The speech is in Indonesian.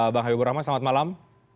bang habibur rahman selamat malam